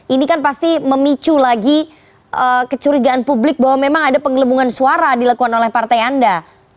ini kan pasti memicu lagi kecurigaan publik bahwa memang ada penggelembungan suara dilakukan oleh partai anda